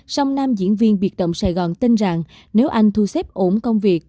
song nam diễn viên biệt động sài gòn tin rằng nếu anh thu xếp ổn công việc